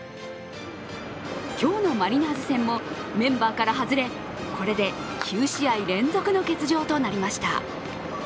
今日のマリナーズ戦もメンバーから外れ、これで９試合連続の欠場となりました。